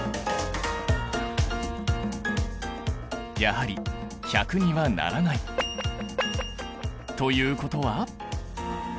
やはり１００にはならない。ということは？